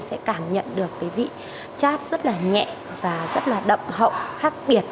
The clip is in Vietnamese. sẽ cảm nhận được cái vị chat rất là nhẹ và rất là đậm hậu khác biệt